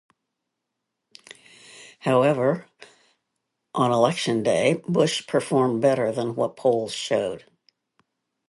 However, on election day Bush performed better than what polls showed.